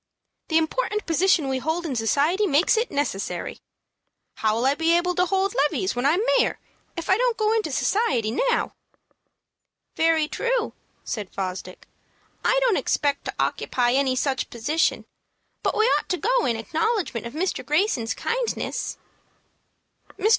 "The important position we hold in society makes it necessary. How'll I be able to hold levees when I'm mayor, if I don't go into society now?" "Very true," said Fosdick; "I don't expect to occupy any such position; but we ought to go in acknowledgment of Mr. Greyson's kindness." Mr.